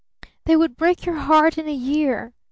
They would break your heart in a year!